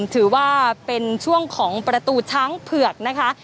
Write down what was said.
ถือว่าเป็นช่วงของประตูช้างเผือกนะคะ